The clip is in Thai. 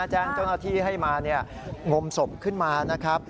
แจ้งเจ้าหน้าที่ให้มางมศพขึ้นมานะครับ